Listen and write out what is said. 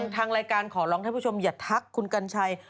ทางรายการขอร้องท่านผู้ชมอย่าทักคุณกัญชัย